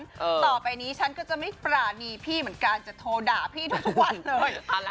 ต่อไปนี้ฉันก็จะไม่ปรานีพี่เหมือนกันจะโทรด่าพี่ทุกวันเลย